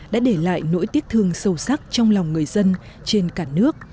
đã để lại nỗi tiếc thương sâu sắc trong lòng người dân trên cả nước